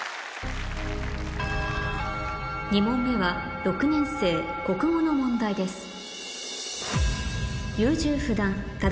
２問目は６年生国語の問題ですなるほど。